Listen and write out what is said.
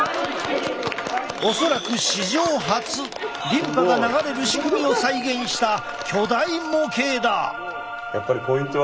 リンパが流れる仕組みを再現した巨大模型だ！